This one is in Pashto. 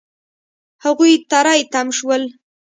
هغوی تری تم شول.